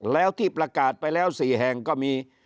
แล้วที่ประกาศไปแล้ว๔แห่งก็มี